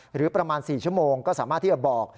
หรือประมาณ๔ชั่วโมงก็สามารถที่จะบอก